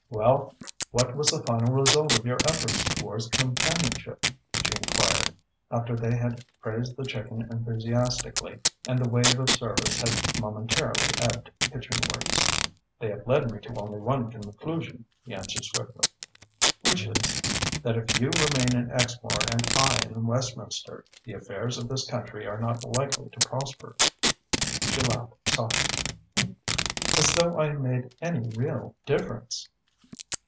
"Well, what was the final result of your efforts towards companionship?" she enquired, after they had praised the chicken enthusiastically and the wave of service had momentarily ebbed kitchenwards. "They have led me to only one conclusion," he answered swiftly. "Which is?" "That if you remain on Exmoor and I in Westminster, the affairs of this country are not likely to prosper." She laughed softly. "As though I made any real' difference!"